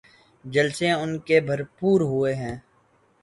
جلسے ان کے بھرپور ہوئے ہیں۔